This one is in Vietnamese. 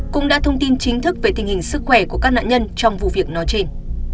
cũng đã thông tin chính thức về tình hình sức khỏe của các nạn nhân trong vụ việc nói trên